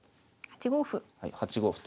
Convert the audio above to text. ８五歩。